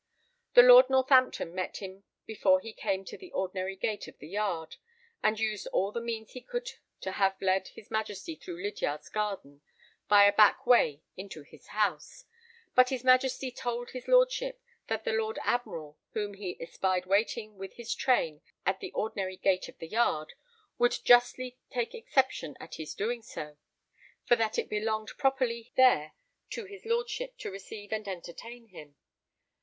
The Lord Northampton met him before he came to the ordinary gate of the yard, and used all the means he could to have led his Majesty through Lydiard's garden by a back way into his house; but his Majesty told his Lordship that the Lord Admiral, whom he espied waiting with his train at the ordinary gate of the yard, would justly take exception at his so doing, for that it belonged properly there to his Lordship to receive and entertain him.